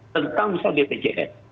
tentang misal bpjs